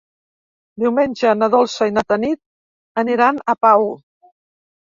Diumenge na Dolça i na Tanit aniran a Pau.